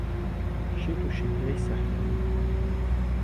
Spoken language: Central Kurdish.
شێت و شەیدای سەحرایی